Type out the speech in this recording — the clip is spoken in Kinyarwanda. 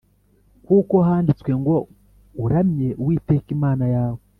kuko handitswe ngo ‘Uramye Uwiteka Imana yawe